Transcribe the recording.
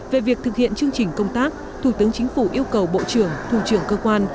về việc thực hiện chương trình công tác thủ tướng chính phủ yêu cầu bộ trưởng thủ trưởng cơ quan